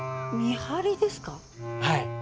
はい。